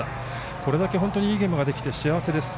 これだけいいゲームができて幸せです。